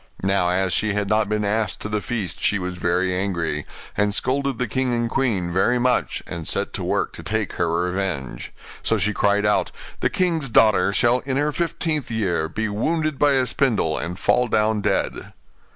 Now, as she had not been asked to the feast she was very angry, and scolded the king and queen very much, and set to work to take her revenge. So she cried out, 'The king's daughter shall, in her fifteenth year, be wounded by a spindle, and fall down dead.